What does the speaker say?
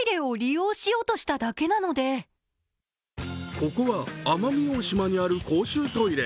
ここは奄美大島にある公衆トイレ。